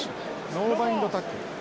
ノーバインドタックル。